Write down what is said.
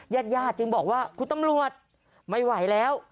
ญาติญาติจึงบอกว่าคุณตำรวจไม่ไหวแล้ว